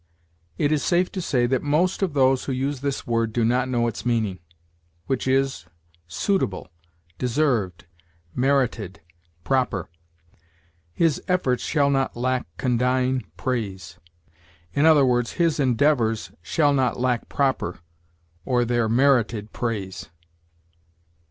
It is safe to say that most of those who use this word do not know its meaning, which is, suitable, deserved, merited, proper. "His endeavors shall not lack condign praise"; i. e., his endeavors shall not lack proper or their merited praise.